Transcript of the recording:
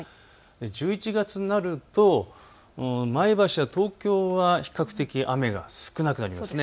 １１月になると前橋や東京は比較的雨が少なくなります。